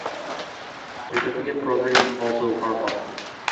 Certificate programs also are offered.